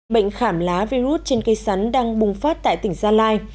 bệnh khảm lá virus trên cây sắn đang bùng phát tại tỉnh gia lai